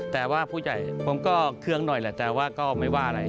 แต่ว่าผู้ใหญ่ผมก็เครื่องหน่อยแหละแต่ว่าก็ไม่ว่าอะไร